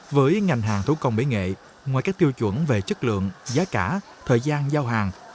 với ngành hàng thủ công mỹ nghệ ngoài các tiêu chuẩn về chất lượng giá cả thời gian giao hàng